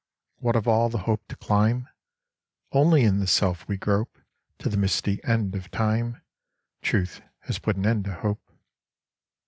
What of all the hope to climb ? Only in the self we grope To the misty end of time : Truth has put an end to hope.